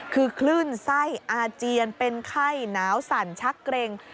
คือคลื่นไส้อาเจียนเป็นไข้หนาวสั่นชักเกร็ง